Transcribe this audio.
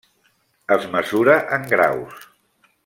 Es mesura en graus.